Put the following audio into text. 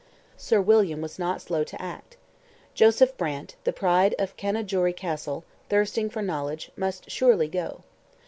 Sir William was not slow to act. Joseph Brant, the pride of Canajoharie Castle, thirsting for knowledge, must surely go.